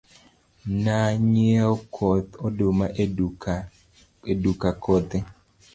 Na nyiewo koth oduma e duka kothe.